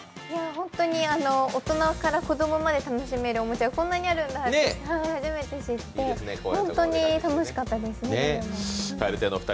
本当に大人から子供まで楽しめるおもちゃはこんなにあるんだって初めて、知ってほんとに楽しかったですね。